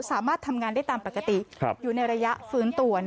สามารถทำงานได้ตามปกติอยู่ในระยะฟื้นตัว